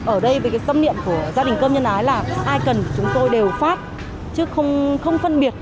ở đây về cái tâm niệm của gia đình công nhân ái là ai cần chúng tôi đều phát chứ không phân biệt